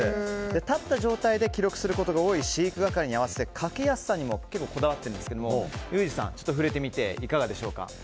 立った状態で記録することが多い飼育係に合わせて書きやすさにもこだわっているんですがユージさん触れてみていかがでしょうか。